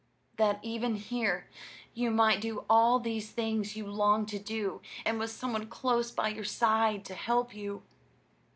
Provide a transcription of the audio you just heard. That even here you might do all these things you long to do, and with some one close by your side to help you?"